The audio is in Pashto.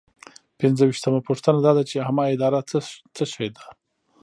پنځویشتمه پوښتنه دا ده چې عامه اداره څه شی ده.